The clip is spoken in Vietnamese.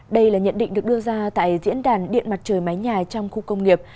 đây là nhận định được đưa ra tại diễn đàn điện mặt trời mái nhà trong khu công nghiệp